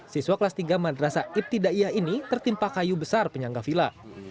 siswa kelas tiga madrasa ibtidaiyah ini tertimpa kayu besar penyangga vila